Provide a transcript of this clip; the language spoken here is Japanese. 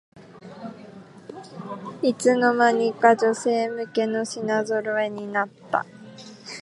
いつの間にか女性向けの品ぞろえになった